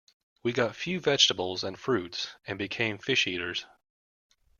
We got few vegetables and fruits, and became fish eaters.